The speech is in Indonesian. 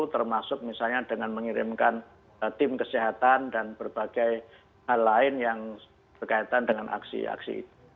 termasuk misalnya dengan mengirimkan tim kesehatan dan berbagai hal lain yang berkaitan dengan aksi aksi